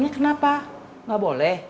lebih barang hati di herballi